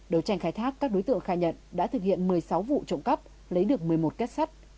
đầu tranh khai thác các đối tượng khai nhận đã thực hiện một mươi sáu vụ trộm cắp lấy được một mươi một kết sắt